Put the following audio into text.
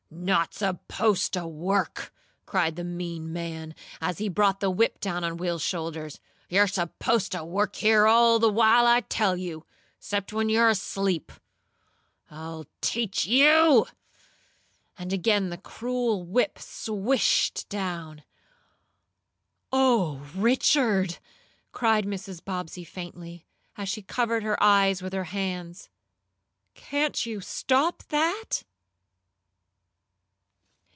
"Not supposed to work!" cried the mean man, as he brought the whip down on Will's shoulders. "You're supposed t' work here all th' while I tell you 'cept when you're asleep! I'll teach you!" and again the cruel whip swished down. "Oh, Richard!" cried Mrs. Bobbsey faintly, as she covered her eyes with her hands. "Can't you stop that?"